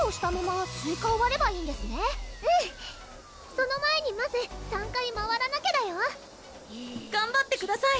その前にまず３回回らなきゃだよがんばってください！